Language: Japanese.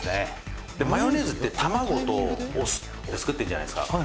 「マヨネーズって卵とお酢で作ってるじゃないですか」